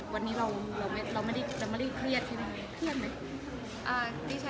วันนี้เราไม่ได้เครียดอะไรไหม